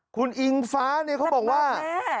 คุณอิงฟ้าเนี่ยเขาบอกว่า